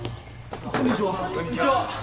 こんにちは。